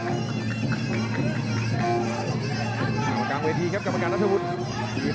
อยู่ใกล้จากกลางเวทีครับกรรมการแล้วธวีด